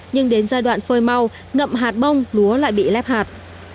nhưng đến giai đoạn phơi mau ngậm hạt bông lúa lại bị lép hạt